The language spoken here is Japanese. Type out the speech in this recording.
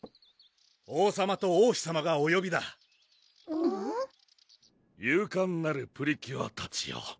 王さまと王妃さまがおよびだ勇敢なるプリキュアたちよ